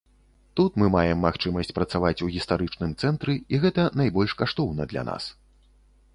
Тут мы маем магчымасць працаваць у гістарычным цэнтры і гэта найбольш каштоўна для нас.